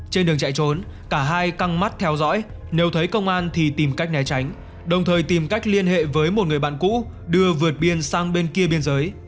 trên đường chạy trốn cả hai căng mắt theo dõi nếu thấy công an thì tìm cách né tránh đồng thời tìm cách liên hệ với một người bạn cũ đưa vượt biên sang bên kia biên giới